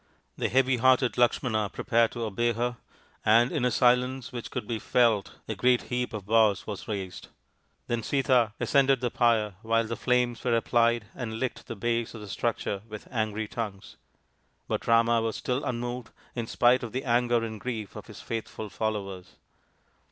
The heavy hearted Lakshmana prepared to obey her, and in a silence which could be felt a great heap of boughs was raised. Then Sita ascended the pyre, while the flames were applied and licked the base of the structure with angry tongues. But Rama was still unmoved, in spite of the anger and grief of his faithful followers.